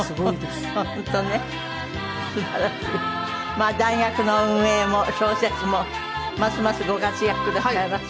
まあ大学の運営も小説もますますご活躍くださいませ。